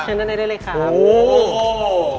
เชิญด้านในได้เลยครับ